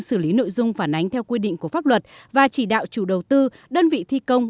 xử lý nội dung phản ánh theo quy định của pháp luật và chỉ đạo chủ đầu tư đơn vị thi công